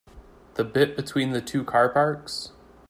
The bit between the two car parks?